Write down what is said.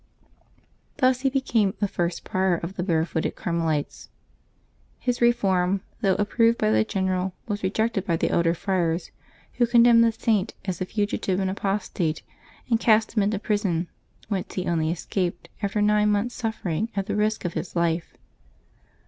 Thus he became the first prior of the Bare footed Carmelites. His reform, though approved by the general, was rejected b}^ the elder friars, who condemned the Saint as a fugitive and apostate, and cast him into prison, whence he only escaped, after nine months' suffer ing, at the risk of his life.